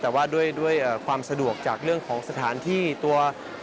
แต่ว่าด้วยความสะดวกจากเรื่องของสถานที่ตัว